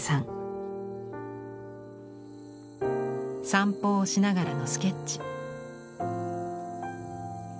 散歩をしながらのスケッチ。